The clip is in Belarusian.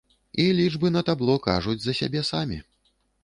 І лічбы на табло кажуць за сябе самі.